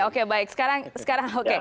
oke baik sekarang